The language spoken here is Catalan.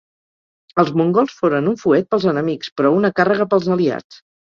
Els mongols foren un fuet pels enemics però una càrrega pels aliats.